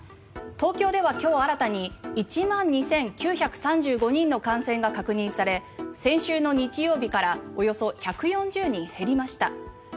東京では今日新たに１万２９３５人の感染が確認され、先週の日曜日からおよそ１４０人減りました。